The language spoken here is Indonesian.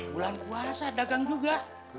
bulan puasa dagang juga